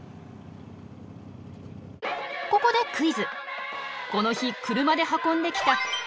ここでクイズ！